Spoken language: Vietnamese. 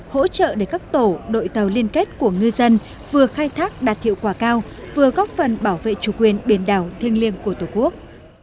hỗ trợ để các tổ đội tàu liên kết của ngư dân vừa khai thác đạt hiệu quả cao vừa góp phần bảo vệ chủ quyền biển đảo thiêng liêng của tổ quốc